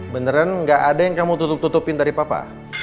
beneran gak ada yang kamu tutup tutupin dari papa